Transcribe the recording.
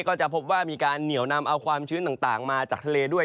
ก็จะพบว่ามีการเหนียวนำเอาความชื้นต่างมาจากทะเลด้วย